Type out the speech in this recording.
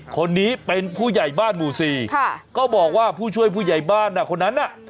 คนนี้เป็นผู้ใหญ่บ้านหมู่สี่ค่ะก็บอกว่าผู้ช่วยผู้ใหญ่บ้านคนนั้นน่ะ